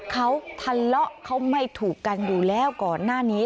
เขาทะเลาะเขาไม่ถูกกันอยู่แล้วก่อนหน้านี้